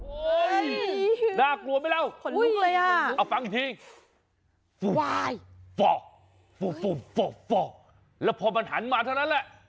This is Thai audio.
โอ๊ยหน้ากลัวไม่แล้วเอาฟังอีกทีฟังอีกทีแล้วพอมันหันมาเท่านั้นแหละ